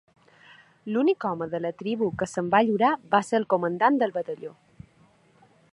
L'únic home de la tribu que se'n va lliurar va ser el comandant del batalló.